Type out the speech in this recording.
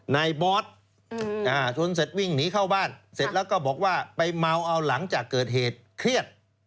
บอสชนเสร็จวิ่งหนีเข้าบ้านเสร็จแล้วก็บอกว่าไปเมาเอาหลังจากเกิดเหตุเครียด